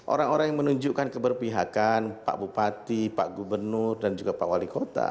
orang orang yang menunjukkan keberpihakan pak bupati pak gubernur dan juga pak wali kota